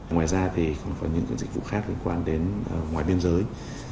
ngoài ra thì còn có những dịch vụ khác liên quan đến ngoài biên giới